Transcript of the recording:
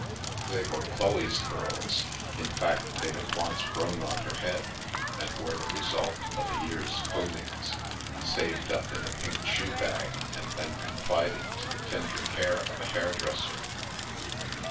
They we Chloe's curls — in fact, they had once grown on her hea and were the result of a year's " combings," saved up a pink shoe bag and then confided to the tender ca of a hairdresser.